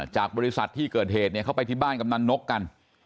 จากบริษัทที่เกิดเหตุเนี่ยเขาไปที่บ้านกำนันนกกัน